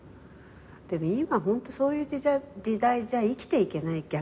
でも今ホントそういう時代じゃ生きていけない逆に。